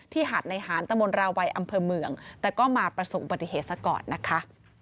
หาดในหานตะมนตราวัยอำเภอเมืองแต่ก็มาประสบอุบัติเหตุซะก่อนนะคะ